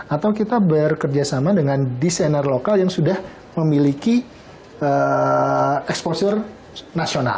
atau kita bekerjasama dengan desainer lokal yang sudah memiliki exposure nasional